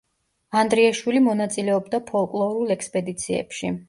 ანდრიაშვილი მონაწილეობდა ფოლკლორულ ექსპედიციებში.